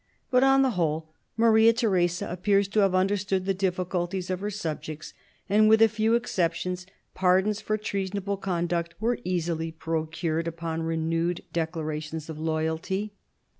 But, on the whole, Maria Theresa appears to have understood the difficulties of her subjects, and, with a few exceptions, pardons for treasonable conduct were easily procured upon renewed declarations of loyalty.